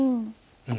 うん。